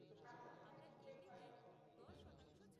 আফসার সাহেব নিজের ঘরে ঢুকলেন।